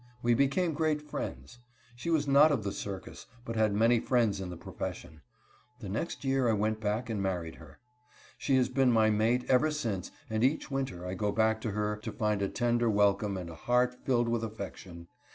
We became great friends. She was not of the circus, but had many friends in the profession. The next year I went back and married her. She has been my mate ever since, and each winter I go back to her to find a tender welcome and a heart filled with affection.